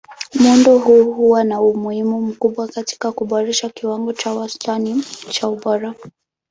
Muundo huu huwa na umuhimu mkubwa katika kuboresha kiwango cha wastani cha ubora.